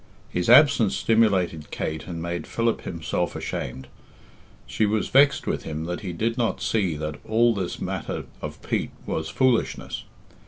His absence stimulated Kate and made Philip himself ashamed. She was vexed with him that he did not see that all this matter of Pete was foolishness.